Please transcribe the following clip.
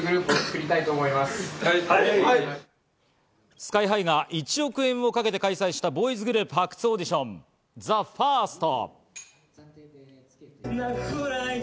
ＳＫＹ−ＨＩが１億円をかけて開催したボーイズグループ発掘オーディション、ＴＨＥＦＩＲＳＴ。